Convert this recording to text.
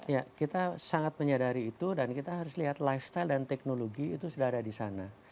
ya kita sangat menyadari itu dan kita harus lihat lifestyle dan teknologi itu sudah ada di sana